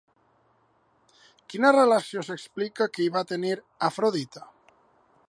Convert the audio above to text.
Quina relació s'explica que hi va tenir, Afrodita?